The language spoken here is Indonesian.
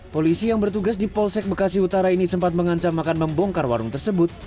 polisi yang bertugas di polsek bekasi utara ini sempat mengancam akan membongkar warung tersebut